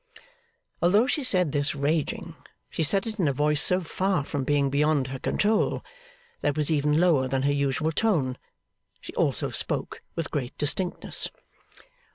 Although she said this raging, she said it in a voice so far from being beyond her control that it was even lower than her usual tone. She also spoke with great distinctness.